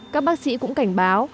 các bác sĩ cũng cảnh báo